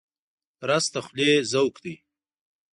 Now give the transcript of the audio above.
رس د خولې ذوق دی